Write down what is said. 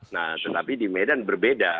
nah tetapi di medan berbeda